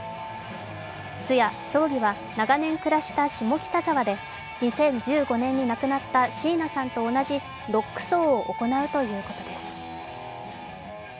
通夜・葬儀は長年暮らした下北沢で２０１５年に亡くなったシーナさんと同じロック葬を行うということです。